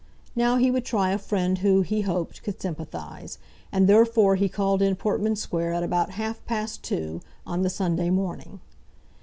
Now he would try a friend who, he hoped, could sympathise; and therefore he called in Portman Square at about half past two on the Sunday morning.